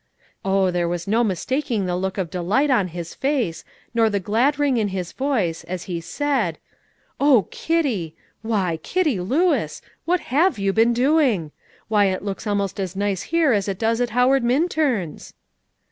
Oh, there was no mistaking the look of delight on his face, nor the glad ring in his voice, as he said, "Oh, Kitty! why, Kitty Lewis! what have you been doing? Why, it looks almost as nice here as it does at Howard Minturn's."